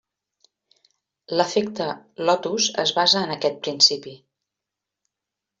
L'efecte lotus es basa en aquest principi.